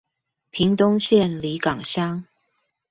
屏東縣里港鄉